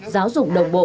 giáo dục đồng bộ